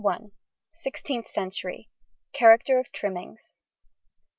CHAPTER V SIXTEENTH CENTURY. CHARACTER OF TRIMMINGS.